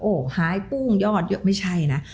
โอ้โหหายปุ้งยอดเยอะไม่ใช่นะ